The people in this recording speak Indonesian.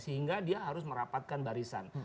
sehingga dia harus merapatkan barisan